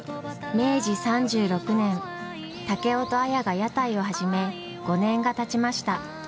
明治３６年竹雄と綾が屋台を始め５年がたちました。